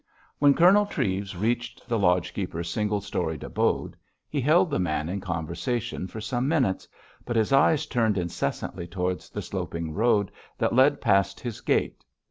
When Colonel Treves reached the lodge keeper's single storied abode, he held the man in conversation for some minutes, but his eyes turned incessantly towards the sloping road that led past his gate.